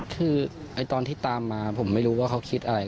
คือตอนที่ตามมาผมไม่รู้ว่าเขาคิดอะไร